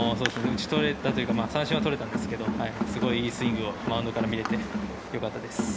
打ち取れたというか三振は取れたんですがすごいいいスイングをマウンドから見れてよかったです。